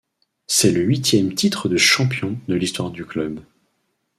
C'est le huitième titre de champion de l'histoire du club.